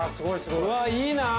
うわいいなぁ！